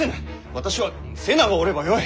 私は瀬名がおればよい。